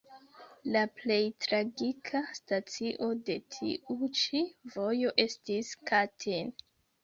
La plej tragika stacio de tiu ĉi vojo estis Katin.